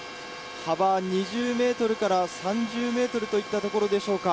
幅２０ｍから３０ｍといったところでしょうか。